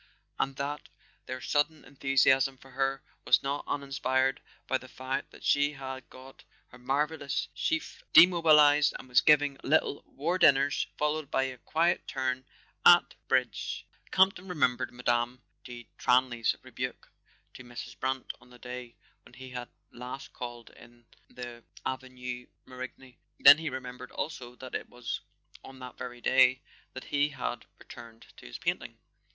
and that their sudden enthusiasm for her was not uninspired by the fact that she had got her marvellous chef demobilised, and was giving little "war dinners" followed by a quiet turn at bridge. [ 235 ] A SON AT THE FRONT Camp ton remembered Mme. de Tranlay's rebuke to Mrs. Brant on the day when he had last called in the Avenue Marigny; then he remembered also that it was on that very day that he had returned to his painting.